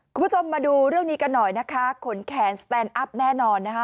คุณผู้ชมมาดูเรื่องนี้กันหน่อยนะคะขนแขนสแตนอัพแน่นอนนะคะ